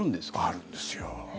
あるんですよ。